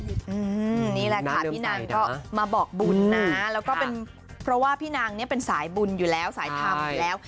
นี่แหละค่ะพี่นางก็มาบอกบุญนะแล้วก็เป็นเพราะว่าพี่นางเนี่ยเป็นสายบุญอยู่แล้วสายธรรมอยู่แล้ว